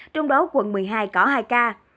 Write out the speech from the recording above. trong đó quận một mươi hai có hai ca